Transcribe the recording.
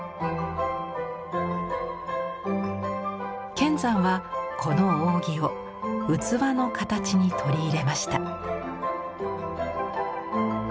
乾山はこの扇を器の形に取り入れました。